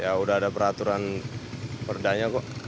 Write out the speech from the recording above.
ya udah ada peraturan perdanya kok